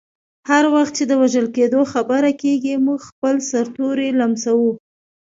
هر وخت چې د وژل کیدو خبره کیږي، موږ خپل ستوري لمسوو.